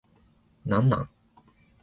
何なん